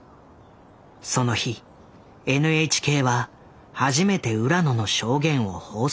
その日ＮＨＫは初めて浦野の証言を放送する。